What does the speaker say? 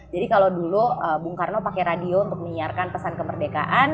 jadi kalau dulu bung karno pakai radio untuk menyiarkan pesan kemerdekaan